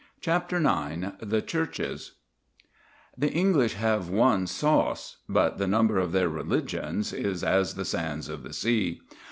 CHAPTER IX THE CHURCHES The English have one sauce. But the number of their religions is as the sands of the sea.